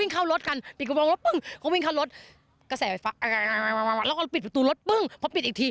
เค้าวิ่งเข้ารถ